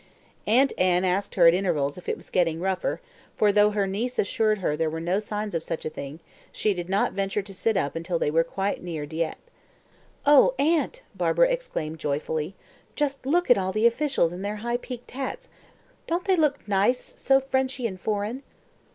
Aunt Anne asked her at intervals if it was getting rougher, but though her niece assured her there were no signs of such a thing, she did not venture to sit up until they were quite near Dieppe. "Oh, aunt!" Barbara exclaimed joyfully, "just look at all the officials in their high peaked hats. Don't they look nice, so Frenchy and foreign!"